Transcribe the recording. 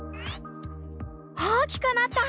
大きくなった！